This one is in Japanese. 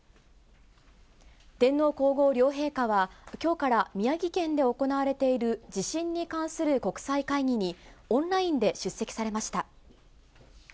天皇皇后両陛下は、きょうから宮城県で行われている、地震に関する国際会議にオンラインで出席されました。